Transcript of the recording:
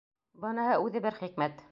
Быныһы үҙе бер хикмәт!